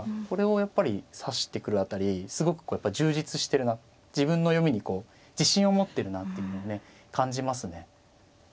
これをやっぱり指してくる辺りすごくやっぱり充実してるな自分の読みに自信を持ってるなっていうのをね感じますね。